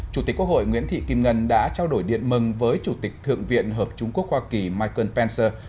chủ tịch quốc hội nguyễn thị kim ngân đã trao đổi điện mừng với chủ tịch thượng viện hợp chúng quốc hoa kỳ michael pencer